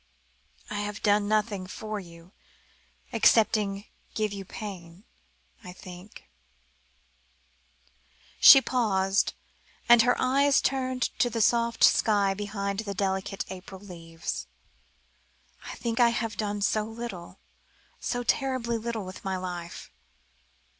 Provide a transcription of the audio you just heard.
I have done nothing for you, excepting give you pain. I think " she paused, and her eyes turned to the soft sky behind the delicate April leaves "I think I have done so little, so terribly little with my life."